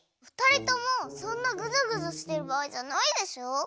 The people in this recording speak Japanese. ふたりともそんなグズグズしてるばあいじゃないでしょ。